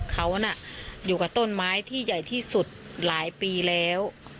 เขาน่ะอยู่กับต้นไม้ที่ใหญ่ที่สุดหลายปีแล้ว